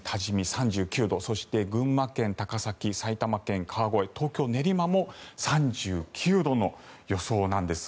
３９度そして群馬県高崎、埼玉県川越東京・練馬も３９度の予想なんです。